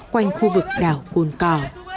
quanh khu vực đảo côn cò